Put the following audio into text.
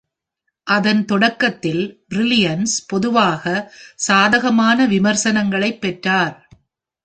அதன் தொடக்கத்தில், பிரில்லியன்ஸ் பொதுவாக சாதகமான விமர்சனங்களை பெற்றார்.